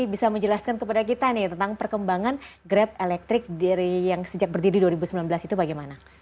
bisa menjelaskan kepada kita nih tentang perkembangan grab elektrik yang sejak berdiri dua ribu sembilan belas itu bagaimana